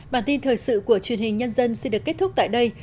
bản tin thời sự của truyền hình nhân dân xin được kết thúc tại đây